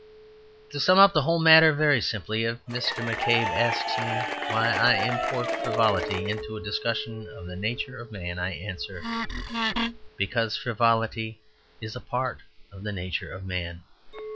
To sum up the whole matter very simply, if Mr. McCabe asks me why I import frivolity into a discussion of the nature of man, I answer, because frivolity is a part of the nature of man.